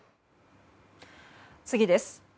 次です。